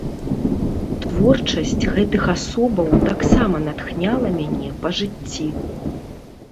Творчасць гэтых асобаў таксама натхняла мяне па жыцці.